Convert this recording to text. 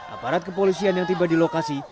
aparat kepolisian yang tiba di lokasi